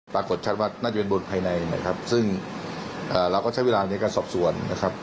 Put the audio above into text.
ปรากฏชัดว่าน่าจะเป็นบนภายในนะครับซึ่งเราก็ใช้เวลาในการสอบสวนนะครับ